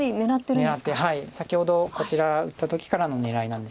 先ほどこちら打った時からの狙いなんですけど。